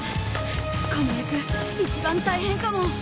この役一番大変かも。